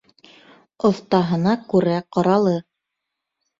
Оҫтаһына күрә ҡоралы.